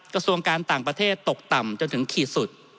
กระทรวงการต่างประเทศตกต่ำจนถึงขีดสุด